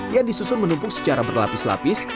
yang disusun menumpuk secara berlapis lapis